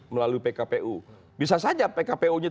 melalui pkpu bisa saja pkpu nya